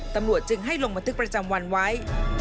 ตำรวจจึงให้ลงบันทึกประจำวันไว้